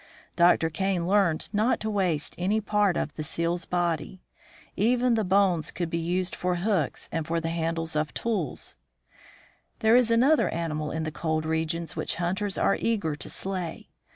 Dr. Kane learned not to waste any part of the seal's body ; even the bones could be used for hooks and for the handles of tools. Polar Bears. There is another animal in the cold regions which hunters are eager to slay.